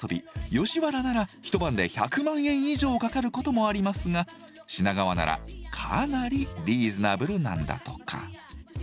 吉原なら一晩で１００万円以上かかることもありますが品川ならかなりリーズナブルなんだとか。